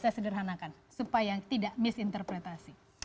saya sederhanakan supaya tidak misinterpretasi